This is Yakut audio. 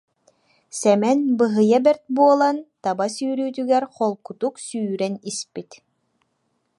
Сэмэн быһыйа бэрт буолан, таба сүүрүүтүгэр холкутук сүүрэн испит